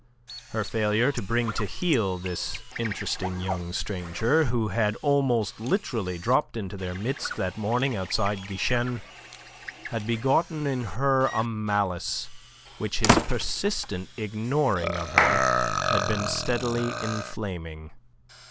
Her failure to bring to heel this interesting young stranger, who had almost literally dropped into their midst that morning outside Guichen, had begotten in her a malice which his persistent ignoring of her had been steadily inflaming.